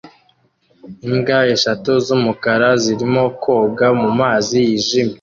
imbwa eshatu z'umukara zirimo koga mu mazi yijimye